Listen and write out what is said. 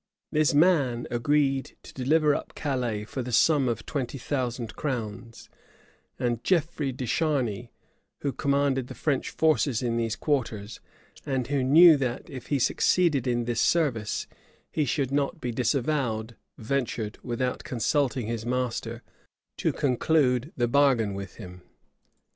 This man agreed to deliver up Calais for the sum of twenty thousand crowns; and Geoffrey de Charni, who commanded the French forces in those quarters, and who knew that, if he succeeded in this service, he should not be disavowed, ventured, without consulting his master, to conclude the bargain with him.